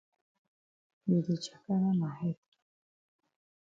You di chakara ma head.